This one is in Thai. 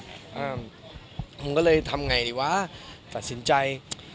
อ้าคุณก็เลยทำไงดีวะฝัดสินใจ